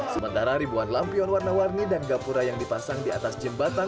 sementara ribuan lampion warna warni dan gapura yang dipasang di dalam kue keranjang